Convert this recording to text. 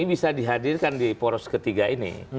bisa dihadirkan di poroskara ini